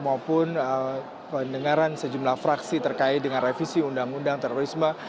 maupun pendengaran sejumlah fraksi terkait dengan revisi undang undang terorisme